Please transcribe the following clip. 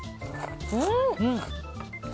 うん！